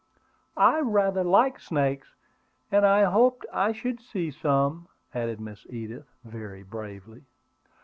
"I rather like snakes, and I hoped I should see some," added Miss Edith, very bravely.